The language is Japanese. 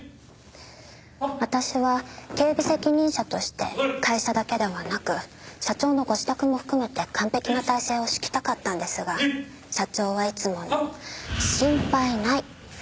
私は警備責任者として会社だけではなく社長のご自宅も含めて完璧な態勢を敷きたかったんですが社長はいつもの「心配ない」を繰り返していました。